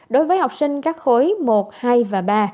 đối với học sinh các khối một hai và ba